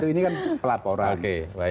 ini kan pelaporan